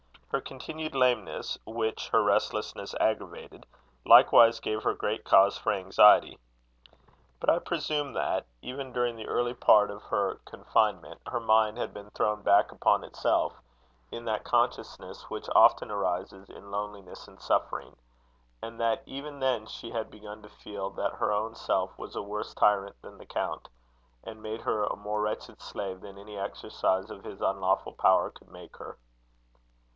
Her continued lameness, which her restlessness aggravated, likewise gave her great cause for anxiety. But I presume that, even during the early part of her confinement, her mind had been thrown back upon itself, in that consciousness which often arises in loneliness and suffering; and that even then she had begun to feel that her own self was a worse tyrant than the count, and made her a more wretched slave than any exercise of his unlawful power could make her.